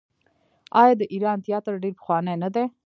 آیا د ایران تیاتر ډیر پخوانی نه دی؟